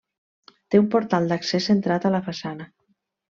Té un portal d'accés centrat a la façana.